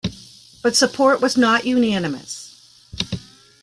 But support was not unanimous.